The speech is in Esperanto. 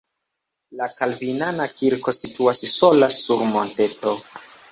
La kalvinana kirko situas sola sur monteto.